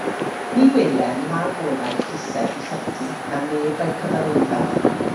Ni welem na golau llusern llety na neb a'n cyfarwyddai.